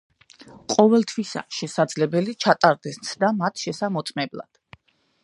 ყოველთვისაა შესაძლებელი ჩატარდეს ცდა მათ შესამოწმებლად.